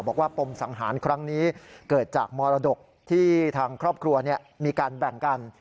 ปมสังหารครั้งนี้เกิดจากมรดกที่ทางครอบครัวมีการแบ่งกัน